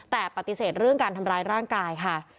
แต่ปฏิเสธเรื่องการทำร้ายร่างกายค่ะ